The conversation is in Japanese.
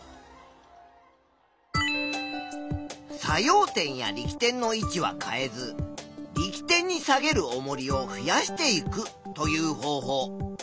作用点や力点の位置は変えず「力点に下げるおもりを増やしていく」という方法。